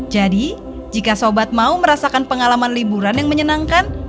jadi jika sobat mau merasakan pengalaman liburan yang menyenangkan